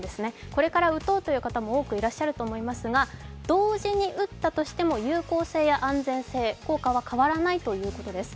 これから打とうという方もおおくいらっしゃると思いますが同時に打ったとしても有効性や安全性の効果は変わらないということです。